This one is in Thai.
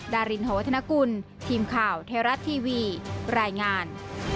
ดารินหวัฒนกุลทีมข่าวไทยรัฐทีวีรายงาน